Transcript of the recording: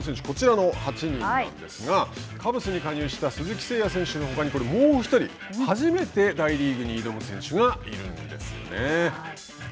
こちらの８人なんですがカブスに加入した鈴木誠也選手のほかにもう１人初めて大リーグに挑む選手がいるんですね。